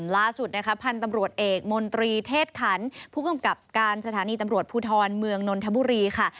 ล่าสุดนะคะพันธุ์ตำรวจเอกมนตรีเทศขันผู้กำกับการสถานีตำรวจภูทรเมืองนนทบุรีค่ะ